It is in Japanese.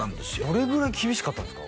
どれぐらい厳しかったんですか？